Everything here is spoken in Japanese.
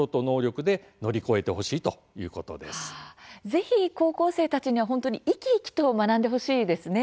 ぜひ高校生たちには本当に生き生きと学んでほしいですね。